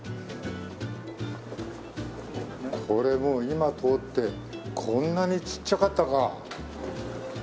これもう今通ってこんなにちっちゃかったか。